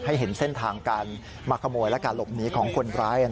เห็นเส้นทางการมาขโมยและการหลบหนีของคนร้าย